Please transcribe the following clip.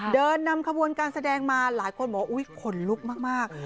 เดินนำขบวนการแสดงมาหลายคนบอกว่าอุ๊ยขนลุกมาก